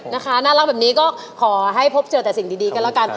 น่ารักแบบนี้ก็ขอให้พบเจอแต่สิ่งดีกันแล้วกัน